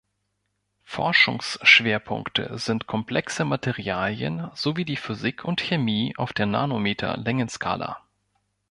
Forschungsschwerpunkte sind komplexe Materialien sowie die Physik und Chemie auf der Nanometer-Längenskala.